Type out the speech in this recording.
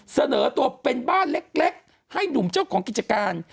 เสนอตัวเป็นบ้านเล็กให้หนุ่มเจ้าของกิจการ